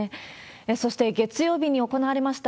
そして、月曜日に行われました